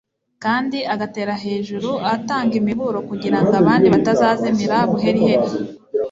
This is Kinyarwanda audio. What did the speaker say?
kandi agatera hejuru atanga imiburo kugira ngo abandi batazazimira buheriheri